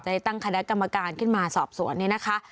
ได้ตั้งคณะกรรมการขึ้นมาสอบสวนเนี่ยนะคะ